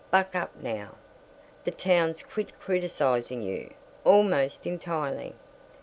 Buck up now. The town's quit criticizing you, almost entirely.